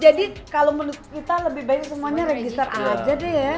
jadi kalau menurut kita lebih baik semuanya register aja deh ya